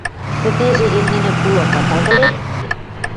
Тӹтежӹ гӹнь нӹнӹ кулакат агылеп.